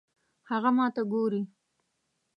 هغه ماته ګوري